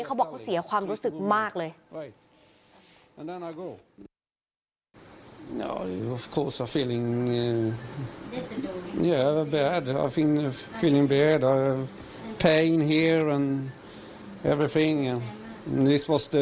เขาบอกเขาเสียความรู้สึกมากเลย